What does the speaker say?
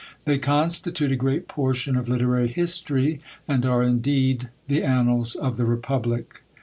They constitute a great portion of literary history, and are indeed the annals of the republic.